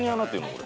これ。